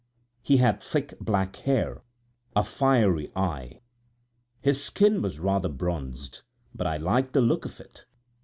He had thick black hair, a fiery eye, his skin was rather bronzed, but I liked the look of it.